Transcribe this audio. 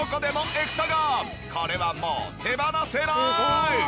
これはもう手放せない！